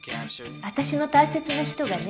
私の大切な人がね。